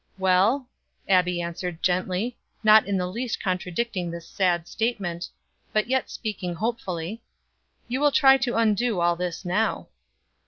"Well," Abbie answered gently, not in the least contradicting this sad statement, but yet speaking hopefully, "you will try to undo all this now."